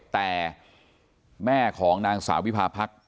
แต่แม่ของนางสาววิพาพรรค